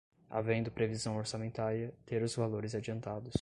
havendo previsão orçamentária, ter os valores adiantados